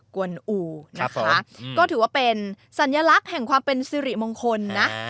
กวนอู่นะคะก็ถือว่าเป็นสัญลักษณ์แห่งความเป็นสิริมงคลนะ